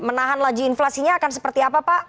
menahan laju inflasinya akan seperti apa pak